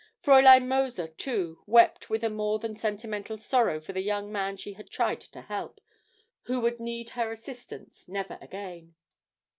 Fräulein Mozer, too, wept with a more than sentimental sorrow for the young man she had tried to help, who would need her assistance never again.